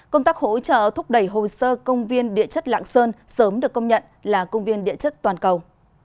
công tác hỗ trợ thúc đẩy hồ sơ công viên địa chất lạng sơn sớm được công nhận là công viên địa chất toàn cầu